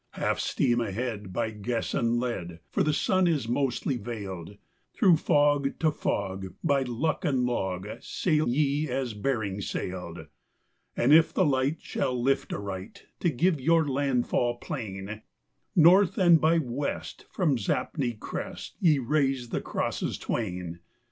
_Half steam ahead by guess and lead, for the sun is mostly veiled Through fog to fog, by luck and log, sail ye as Bering sailed; And, if the light shall lift aright to give your landfall plain, North and by west, from Zapne Crest, ye raise the Crosses Twain.